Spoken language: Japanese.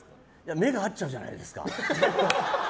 目が合っちゃうじゃないですか。